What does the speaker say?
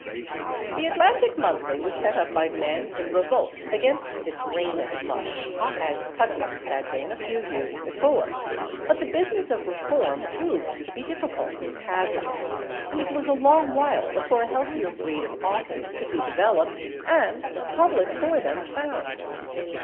The Atlantic Monthly was set up by men in revolt against this reign of mush, as Putnam's had been a few years before, but the business of reform proved to be difficult and hazardous, and it was a long while before a healthier breed of authors could be developed, and a public for them found.